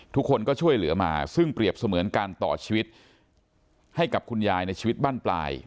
ทุกคนก็ช่วยเหลือมาซึ่งเปรียบเสมือนการต่อชีวิตให้กับคุณยายในชีวิตบ้านปลาย